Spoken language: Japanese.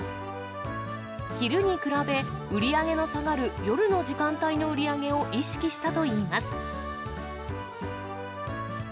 昼に比べ、売り上げの下がる夜の時間帯の売り上げを意識したといいます。